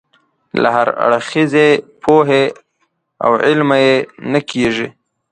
له هراړخیزې پوهې او علمه یې نه کېږي.